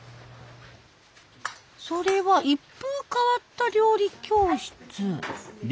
それは一風変わった料理教室。